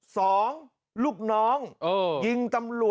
สวัสดีครับ